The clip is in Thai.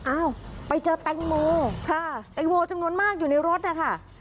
อ้าวไปเจอแตงโมค่ะแตงโมจำนวนมากอยู่ในรถนะคะ